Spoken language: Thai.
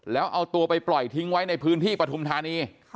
แล้วเอาตัวไปปล่อยทิ้งไว้ในพื้นที่ปฐุมธานี